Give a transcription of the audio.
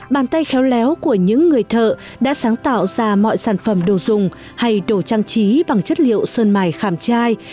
bàn tay khéo léo của những người thợ đã sáng tạo ra mọi sản phẩm đồ dùng hay đồ trang trí bằng chất liệu sơn mài khảm trai